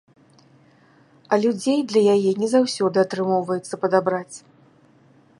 А людзей для яе не заўсёды атрымоўваецца падабраць.